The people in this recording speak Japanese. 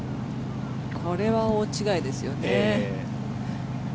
これは大違いですよね。